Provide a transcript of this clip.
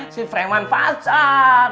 si fremant fasar